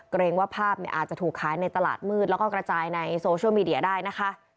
เกรงว่าภาพอาจจะถูกขายในตลาดมืดแล้วก็กระจายในโซเชียลมีเดียได้นะคะ